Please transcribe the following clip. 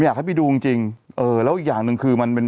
อยากให้ไปดูจริง